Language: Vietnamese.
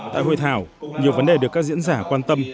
tại hội thảo nhiều vấn đề được các diễn giả quan tâm